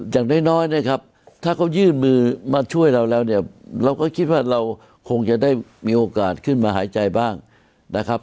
อย่างน้อยนะครับถ้าเขายื่นมือมาช่วยเราแล้วเนี่ยเราก็คิดว่าเราคงจะได้มีโอกาสขึ้นมาหายใจบ้างนะครับ